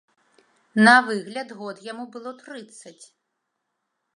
На выгляд год яму было трыццаць.